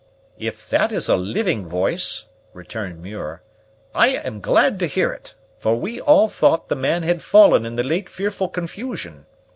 "If that is a living voice," returned Muir, "I am glad to hear it; for we all thought the man had fallen in the late fearful confusion.